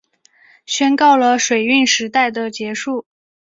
宣告了水运时代的结束